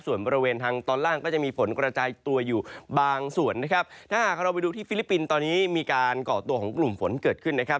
ส่วนบริเวณทางตอนล่างก็จะมีฝนกระจายตัวอยู่บางส่วนนะครับถ้าหากเราไปดูที่ฟิลิปปินส์ตอนนี้มีการก่อตัวของกลุ่มฝนเกิดขึ้นนะครับ